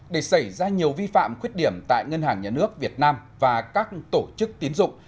để xảy ra nhiều vi phạm khuyết điểm tại ngân hàng nhà nước việt nam và các tổ chức tiến dụng